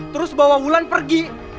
terus bawa wulan pergi